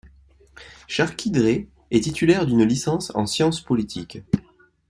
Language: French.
Charki Drais est titulaire d'une licence en sciences politiques.